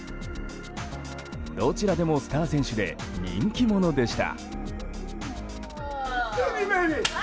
どちらでもスター選手で人気者でした。